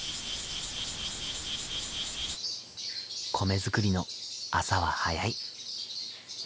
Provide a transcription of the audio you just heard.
米作りの朝は早い。